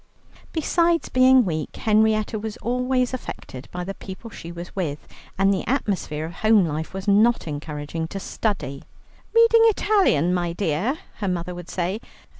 Besides being weak, Henrietta was always affected by the people she was with, and the atmosphere of home life was not encouraging to study. "Reading Italian, my dear?" her mother would say.